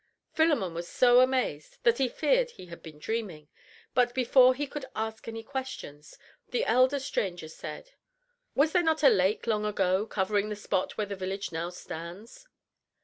Philemon was so amazed that he feared he had been dreaming, but before he could ask any questions, the elder stranger said: "Was there not a lake long ago covering the spot where the village now stands?"